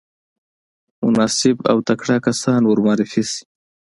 مناسب او تکړه کسان ورمعرفي شي.